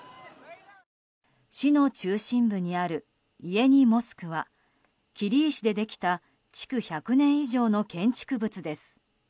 市の中心部にあるイェニモスクは切り石でできた築１００年以上の建築物です。